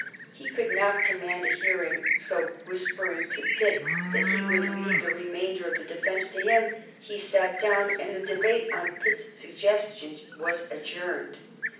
He could not command a hearing, so, whispering to Pitt that he would leave the remainder of the defence to him, he sat down, and the debate, on Pitt's suggestion, was adjourned.